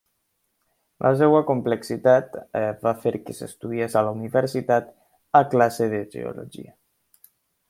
La seva complexitat va fer que s'estudiés a la universitat, a classe de geologia.